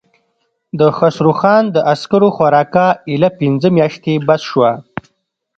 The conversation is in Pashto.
د خسرو خان د عسکرو خوراکه اېله پنځه مياشتې بس شوه.